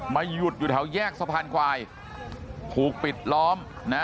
หยุดอยู่แถวแยกสะพานควายถูกปิดล้อมนะ